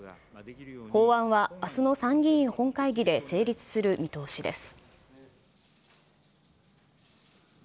法案はあすの参議院本会議で成立する見通しです。